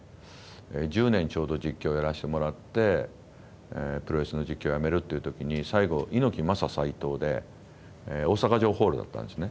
１０年ちょうど実況やらしてもらってプロレスの実況やめるっていう時に最後猪木・マサ斎藤で大阪城ホールだったんですね。